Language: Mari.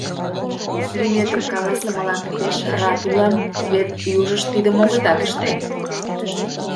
Лӱметым каласымылан пеш рат улам... вет южышт тидым огытат ыште.